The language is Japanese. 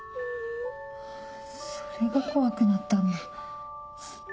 それが怖くなったんだ。